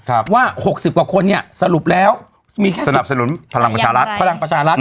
ครับว่าหกสิบกว่าคนเนี่ยสรุปแล้วมีแค่สนับสนุนพลังประชารัฐ